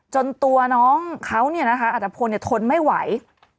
จนตัวน้องเขาเนี่ยนะคะอัตภพลทนไม่ไหว